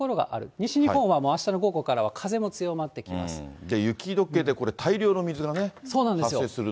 西日本はもうあしたの午後からはで、雪どけでこれ、そうなんですよ。